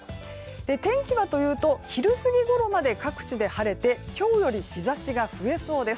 天気はというと昼過ぎごろまで各地で晴れて今日より日差しが増えそうです。